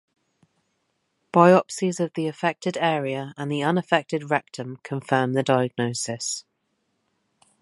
Biopsies of the affected area and the unaffected rectum confirm the diagnosis.